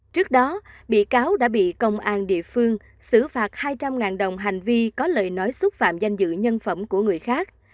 trước đó bị cáo đã bị công an địa phương xử phạt hai trăm linh đồng hành vi có lời nói xúc phạm danh dự nhân phẩm của người khác